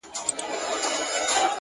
زما د وطن د شهامت او طوفانونو کیسې,